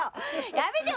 やめてよ！